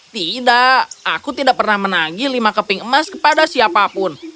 tidak aku tidak pernah menagi lima keping emas kepada siapapun